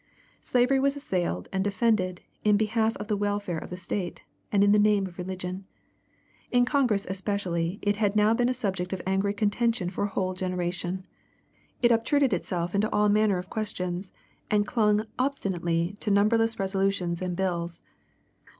Slavery was assailed and defended in behalf of the welfare of the state, and in the name of religion. In Congress especially it had now been a subject of angry contention for a whole generation. It obtruded itself into all manner of questions, and clung obstinately to numberless resolutions and bills.